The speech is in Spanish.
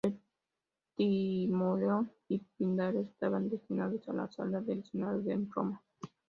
El Timoleón y Píndaro estaban destinados a la Sala del Senado en Roma.